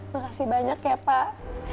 makasih banyak ya pak